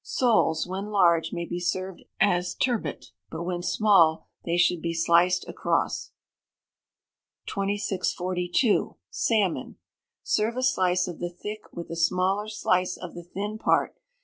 Soles, when large, may be served as turbot; but when small they should be sliced across. 2642. Salmon. Serve a slice of the thick with a smaller slice of the thin part.